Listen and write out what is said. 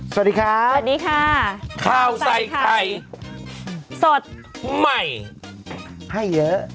สวัสดีครับสวัสดีค่ะข้าวใส่ไข่สดใหม่ให้เยอะ